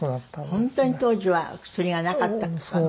本当に当時は薬がなかったのもあるんですけどね。